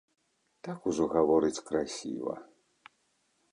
Так ужо гаворыць красіва.